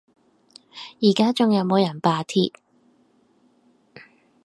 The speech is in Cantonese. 而家仲有冇人罷鐵？